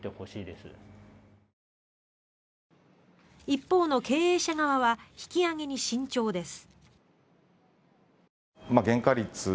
一方の経営者側は引き上げに慎重です。